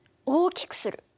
大きくする。